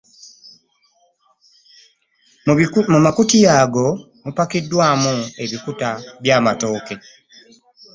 Mumakutiya ago mupakiddwamu ebikuta byamatooke.